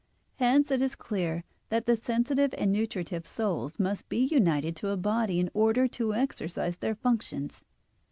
Hence it is clear that the sensitive and nutritive souls must be united to a body in order to exercise their functions.